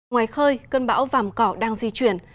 ngoài khơi cơn bão vàm cỏ đang di chuyển